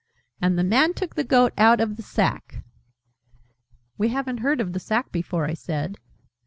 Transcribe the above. "And the Man took the Goat out of the Sack." ("We haven't heard of the sack before," I said.